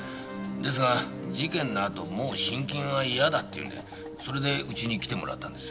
ですが事件のあともう信金は嫌だって言うんでそれでうちに来てもらったんです。